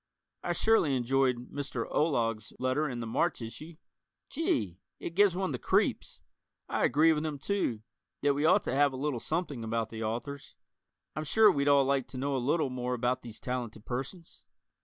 I surely enjoyed Mr. Olog's letter in the March issue. Gee, it gives one the creeps. I agree with him, too, that we ought to have a little something about the authors. I'm sure we'd all like to know a little more about these talented persons.